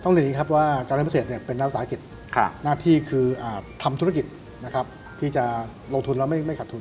ต้องถึงว่าการทางด้านพิเศษเป็นหน้าศาสตร์ฯกิจหน้าที่คือทำธุรกิจที่จะลงทุนแล้วไม่ขัดทุน